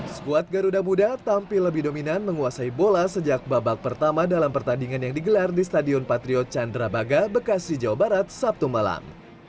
skuad garuda muda tampil lebih dominan menguasai bola sejak babak pertama dalam pertandingan yang digelar di stadion patriot candrabaga bekasi jawa barat sabtu malam